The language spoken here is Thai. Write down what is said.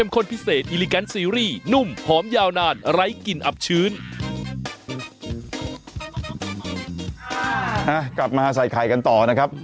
กลับมาใส่ไข่กันต่อนะครับ